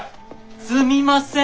すみません！